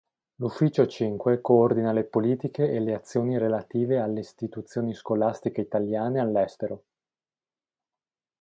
L'ufficio V coordina le politiche e le azioni relative alle istituzioni scolastiche italiane all'estero.